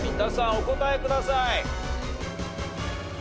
お答えください。